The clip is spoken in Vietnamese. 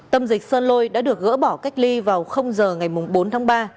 tâm dịch sơn lôi đã được gỡ bỏ cách ly vào giờ ngày bốn tháng ba